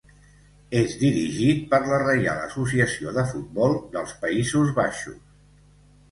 És dirigit per la Reial Associació de Futbol dels Països Baixos.